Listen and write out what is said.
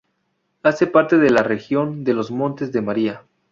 Hace parte de la región de los Montes de María.